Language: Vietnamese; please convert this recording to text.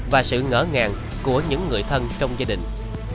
và sự ngỡ ngàng của những người thân trong gia đình